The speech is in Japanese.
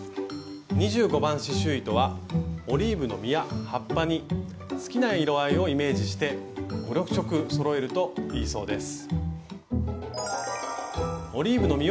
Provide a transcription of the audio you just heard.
２５番刺しゅう糸はオリーブの実や葉っぱに好きな色合いをイメージして５６色そろえるといいそうです。